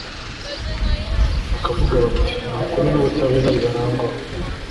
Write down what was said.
bakavuga bati nta kuri n'ubutabera bibarangwaho